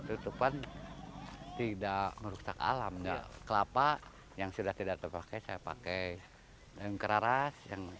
itu kan tidak merusak alam kelapa yang sudah tidak terpakai saya pakai daun keras